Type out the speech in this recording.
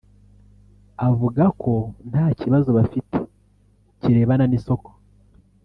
avuga ko nta kibazo bafite kirebana n’isoko